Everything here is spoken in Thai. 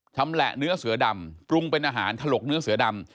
ชำแหละเนื้อเสือดำปรุงเป็นอาหารถลกเนื้อเสือดำ